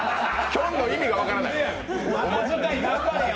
きょんの意味が分からない。